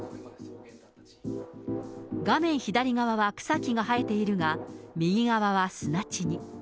画面左側は草木が生えているが、右側は砂地に。